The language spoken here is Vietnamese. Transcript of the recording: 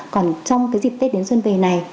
còn trong cái dịp tết đến xuân về này